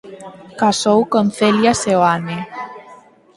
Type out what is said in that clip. Casou con Celia Seoane.